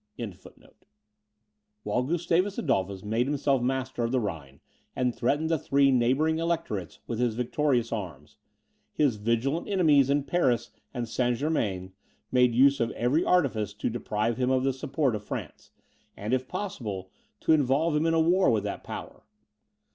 ] While Gustavus Adolphus made himself master of the Rhine, and threatened the three neighbouring electorates with his victorious arms, his vigilant enemies in Paris and St. Germain's made use of every artifice to deprive him of the support of France, and, if possible, to involve him in a war with that power.